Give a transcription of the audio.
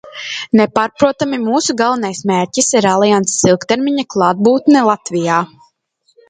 Nepārprotami, mūsu galvenais mērķis ir alianses ilgtermiņa klātbūtne Latvijā.